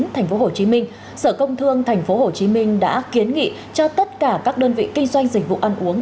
tp hcm sở công thương tp hcm đã kiến nghị cho tất cả các đơn vị kinh doanh dịch vụ ăn uống